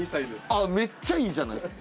あっめっちゃいいじゃないですか！